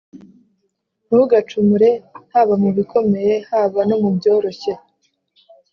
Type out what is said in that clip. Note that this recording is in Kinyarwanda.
Ntugacumure haba mu bikomeye, haba no mu byoroshye,